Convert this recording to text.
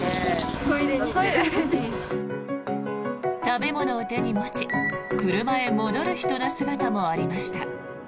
食べ物を手に持ち車へ戻る人の姿もありました。